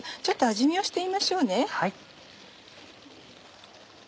ちょっと味見をしてみましょうね。